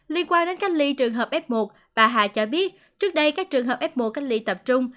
liên quan đến cách ly trường hợp f một bà hà cho biết trước đây các trường hợp f một cách ly tập trung